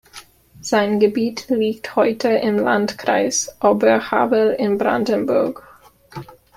Sein Gebiet liegt heute im Landkreis Oberhavel in Brandenburg.